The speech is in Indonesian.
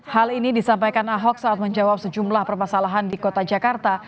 hal ini disampaikan ahok saat menjawab sejumlah permasalahan di kota jakarta